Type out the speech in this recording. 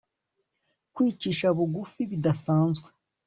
Kwicisha bugufi bidasanzwe